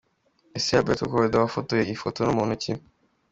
Ese Alberto Korda wafotoye iyi foto ni muntu ki?.